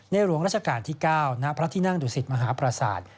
หลวงราชการที่๙ณพระที่นั่งดุสิตมหาปราศาสตร์